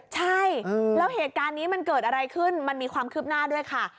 ใช่แล้วเหตุการณ์นี้มันเกิดอะไรขึ้นมันมีความคืบหน้าด้วยค่ะ